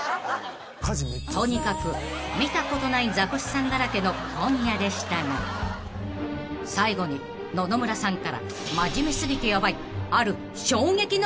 ［とにかく見たことないザコシさんだらけの今夜でしたが最後に野々村さんから］